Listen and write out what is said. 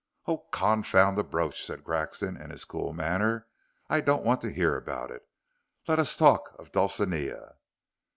"Oh, confound the brooch!" said Grexon in his cool manner. "I don't want to hear about it. Let us talk of Dulcinea."